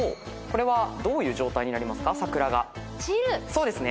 そうですね。